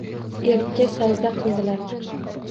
Erkka sajda qildilar.